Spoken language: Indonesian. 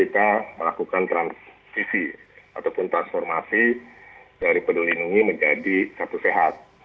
kita melakukan transisi ataupun transformasi dari peduli lindungi menjadi satu sehat